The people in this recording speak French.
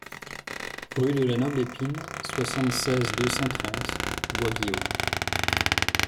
Rue de la Noble Épine, soixante-seize, deux cent trente Bois-Guillaume